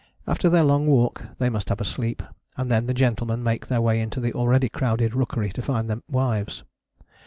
After their long walk they must have a sleep, and then the gentlemen make their way into the already crowded rookery to find them wives.